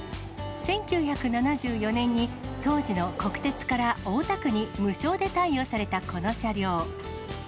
１９７４年に当時の国鉄から大田区に無償で貸与されたこの車両。